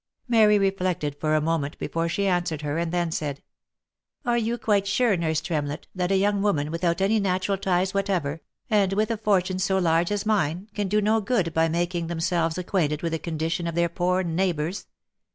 Mary reflected for a moment before she answered her, and then said, " Are you quite sure, nurse Tremlett that a young woman without any natural ties whatever, and with a fortune so large as mine, can do no good by making themselves acquainted with the condition of their poor neighbours?"